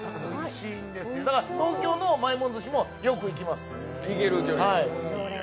東京のまいもん寿司もよく行きます。